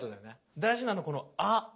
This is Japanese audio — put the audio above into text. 大事なのこの「Ａ」。